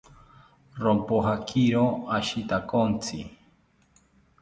Rompojakiro ashitakontzi